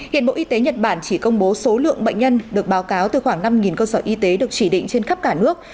hiện bộ y tế nhật bản chỉ công bố số lượng bệnh nhân được báo cáo từ khoảng năm cơ sở y tế được chỉ định trên khắp cả nước